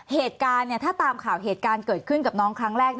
เหตุการณ์ถ้าตามข่าวเหตุการณ์เกิดขึ้นกับน้องครั้งแรก